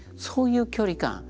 そういう距離感。